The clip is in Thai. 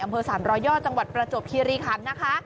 อำเภอศาลรอยยอร์จังหวัดประจบธีริคันนะคะ